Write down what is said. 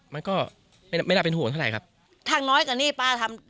มันก็ไม่ได้ไม่ได้เป็นห่วงเท่าไรครับทางน้อยกันนี่ป้าทำ